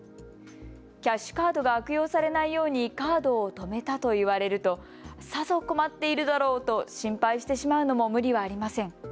キャッシュカードが悪用されないようにカードを止めたと言われるとさぞ困っているだろうと心配してしまうのも無理はありません。